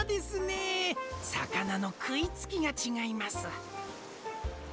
さかなのくいつきがちがいます。